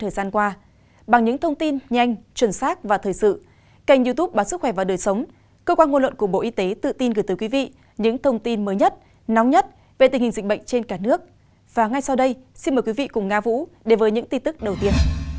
xin mời quý vị cùng nga vũ đề với những tin tức đầu tiên